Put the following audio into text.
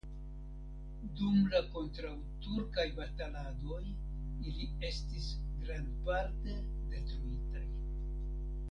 Dum la kontraŭturkaj bataladoj ili estis grandparte detruitaj.